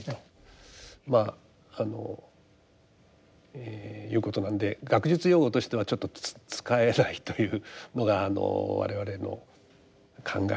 まああのいうことなんで学術用語としてはちょっと使えないというのが我々の考えですね。